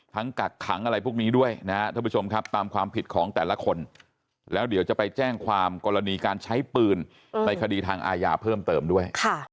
กักขังอะไรพวกนี้ด้วยนะครับท่านผู้ชมครับตามความผิดของแต่ละคนแล้วเดี๋ยวจะไปแจ้งความกรณีการใช้ปืนในคดีทางอาญาเพิ่มเติมด้วย